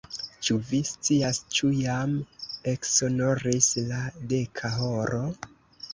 Ĉu vi scias, ĉu jam eksonoris la deka horo?